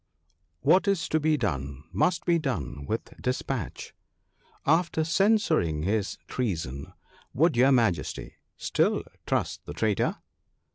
What is to be done must be done with despatch. After censuring his treason, would your Majesty still trust the traitor